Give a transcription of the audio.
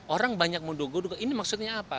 orang banyak mendogodok ini maksudnya apa